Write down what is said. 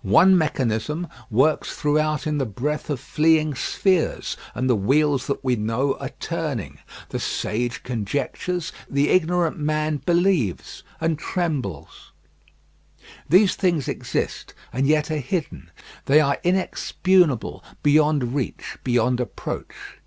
One mechanism works throughout in the breath of fleeing spheres, and the wheels that we know are turning. The sage conjectures; the ignorant man believes and trembles. These things exist and yet are hidden; they are inexpugnable, beyond reach, beyond approach.